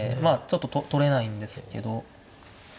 ちょっと取れないんですけど。